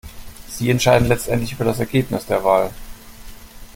Sie entscheiden letztendlich über das Ergebnis der Wahl.